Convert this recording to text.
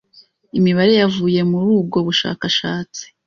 Imibare yavuye muri ubwo bushakashatsi